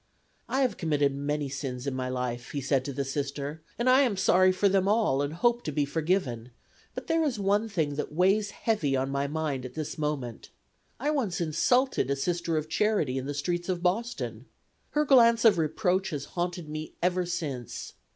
"I have committed many sins in my life," he said to the Sister, "and I am sorry for them all and hope to be forgiven; but there is one thing that weighs heavy on my mind at this moment. I once insulted a Sister of Charity in the streets of Boston. Her glance of reproach has haunted me ever since.